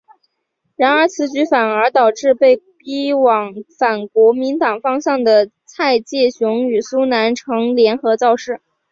然而此举反而导致被逼往反国民党方向的蔡介雄与苏南成联合造势。